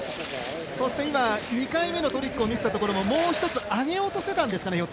そして今、２回目のトリックを見せたところももう１つ上げようとしていたんですかね